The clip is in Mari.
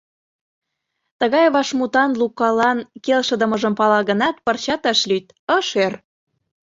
Тыгай вашмутан Лукалан келшыдымыжым пала гынат, пырчат ыш лӱд, ыш ӧр.